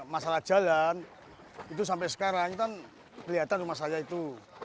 masalah jalan itu sampai sekarang kan kelihatan rumah saya itu